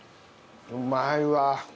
うまいわ。